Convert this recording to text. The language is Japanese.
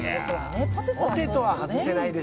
ポテトは外せないでしょ。